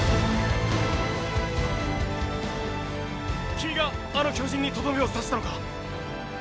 君があの巨人にとどめを刺したのか